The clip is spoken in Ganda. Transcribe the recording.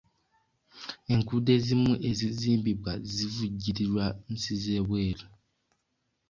Enguudo ezimu ezizimbibwa zivujjirirwa nsi z'ebweru.